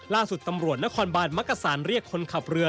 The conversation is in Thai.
ล่าสุดตำรวจนครบาลมักษานเรียกคนขับเรือ